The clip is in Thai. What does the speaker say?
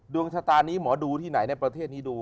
ดวงชะตานี้หมอดูที่ไหนในประเทศนี้ดู